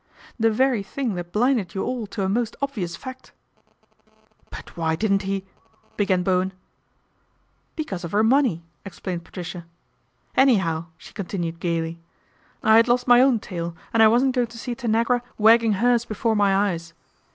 ' The very thing that blinded you all to a most obvious fact." " But why didn't he ?" began Bowen. " Because of her money," explained Patricia. " Anyhow," she continued gaily, " I had lost my own tail, and I wasn't going to see Tanagra wagging hers before my eyes.